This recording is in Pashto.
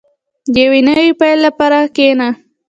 • د یو نوي پیل لپاره کښېنه.